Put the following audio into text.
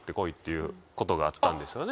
いうことがあったんですよね。